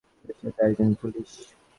কিন্তু সে তো একজন পুলিশ।